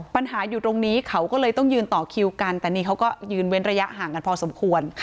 ปัญหาอยู่ตรงนี้เขาก็เลยต้องยืนต่อคิวกันแต่นี่เขาก็ยืนเว้นระยะห่างกันพอสมควร